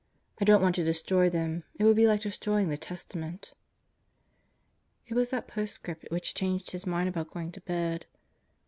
I don't want to destroy them. It would be like destroying the Testament. ... It was that postscript which changed his mind about going to bed.